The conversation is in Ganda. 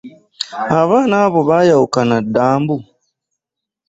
Abaana abo baayawukana dda mbu?